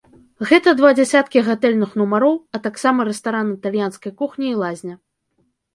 Гэта два дзясяткі гатэльных нумароў, а таксама рэстаран італьянскай кухні і лазня.